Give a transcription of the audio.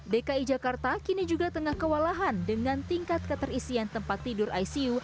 dki jakarta kini juga tengah kewalahan dengan tingkat keterisian tempat tidur icu